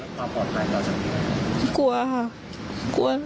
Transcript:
และความปลอดภัยการไหม